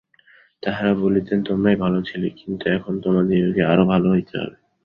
তাঁহারা বলিতেন, তোমরা ভালই ছিলে, কিন্তু এখন তোমাদিগকে আরও ভাল হইতে হইবে।